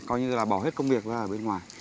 coi như là bỏ hết công việc ra ở bên ngoài